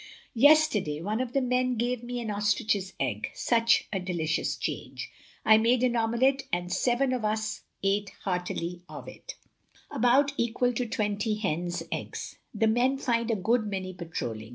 ..."... Yesterday one of the men gave me an ostrich's egg, — such a delicious change! I made an omelette and seven of us ate heartily of it; about 254 THE LONELY LADY equal to twenty hen's eggs. The men find a good many patrolling.